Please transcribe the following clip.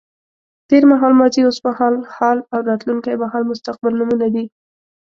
تېر مهال ماضي، اوس مهال حال او راتلونکی مهال مستقبل نومونه دي.